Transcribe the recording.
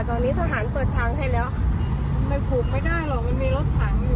ตอนนี้ทหารเปิดทางให้แล้วไปผูกไม่ได้หรอกมันมีรถขังอยู่